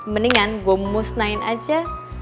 mendingan gue musnahin aja